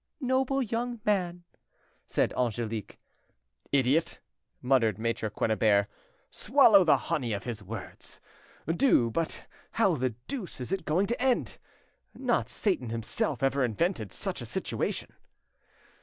"Noble young man!" said Angelique. "Idiot!" muttered Maitre Quennebert; "swallow the honey of his words, do But how the deuce is it going to end? Not Satan himself ever invented such a situation."